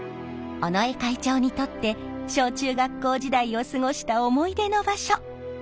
尾上会長にとって小中学校時代を過ごした思い出の場所。